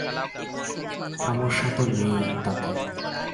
সমস্যা তো নেই তাতে।